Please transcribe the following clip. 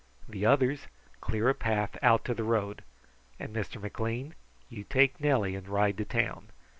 The others clear a path out to the road; and Mr. McLean, you take Nellie and ride to town.